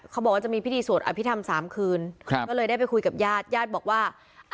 เขาบอกว่าจะมีพิธีสวดอภิษฐรรมสามคืนครับก็เลยได้ไปคุยกับญาติญาติบอกว่า